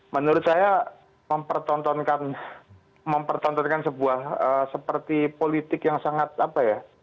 menurut saya mempertontonkan sebuah seperti politik yang sangat apa ya